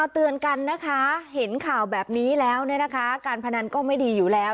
เตือนกันนะคะเห็นข่าวแบบนี้แล้วเนี่ยนะคะการพนันก็ไม่ดีอยู่แล้ว